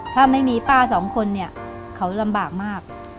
ถ้าไม่มีป้าสองคนเนี่ยเขาลำบากมาก